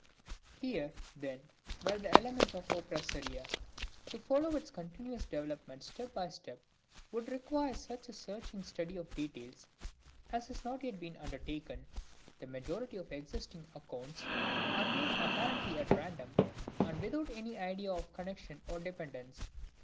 Here, then, were the elements of the opera seria. To follow its continuous development step by step would require such a searching study of details as has not yet been undertaken. The majority of existing accounts are made apparently at random, and without any idea of connection or dependence.